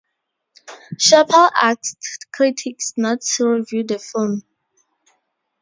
Chappelle asked critics not to review the film.